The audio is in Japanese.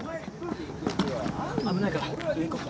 危ないから上行こう。